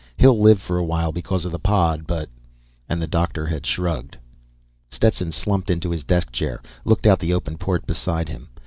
He'll live for a while because of the pod, but " And the doctor had shrugged. Stetson slumped into his desk chair, looked out the open port beside him.